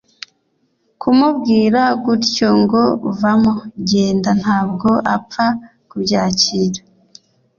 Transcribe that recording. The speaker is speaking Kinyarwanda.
kumubwira gutyo ngo vamo genda ntabwo apfa kubyakira